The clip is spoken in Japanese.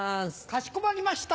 かしこまりました。